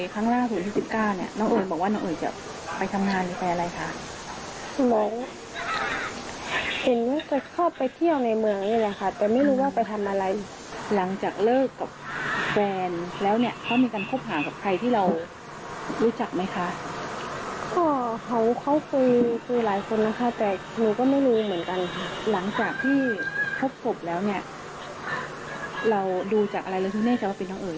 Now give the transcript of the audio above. พบแล้วเนี่ยเราดูจากอะไรเลยทุกนี้จะว่าเป็นน้องเอ๋ยอ่ะค่ะ